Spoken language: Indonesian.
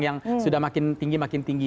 yang sudah makin tinggi makin tinggi